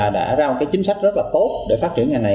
đã ra một chính sách rất là tốt để phát triển ngành này